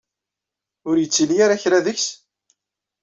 Ur yettili ara kra deg-s?